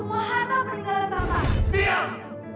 kamu semua makan pak